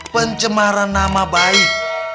pencemaran nama baik